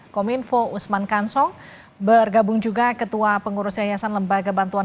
kominfo usman kansong bergabung juga ketua pengurus yayasan lembaga bantuan